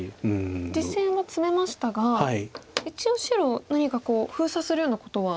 実戦はツメましたが一応白何か封鎖するようなことは。